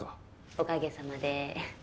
おかげさまで。